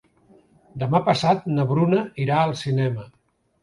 Demà passat na Bruna irà al cinema.